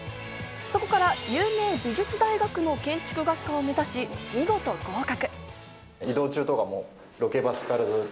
そこから有名美術大学の建築学科を目指し、見事合格。